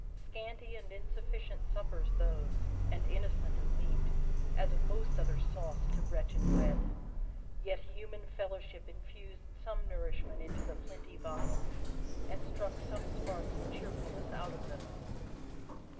Scanty and insufficient suppers those, and innocent of meat, as of most other sauce to wretched bread. Yet, human fellowship infused some nourishment into the flinty viands, and struck some sparks of cheerfulness out of them.